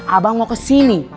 abang mau kesini